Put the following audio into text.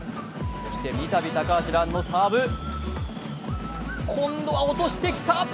そして三度、高橋藍のサーブ、今度は落としてきた！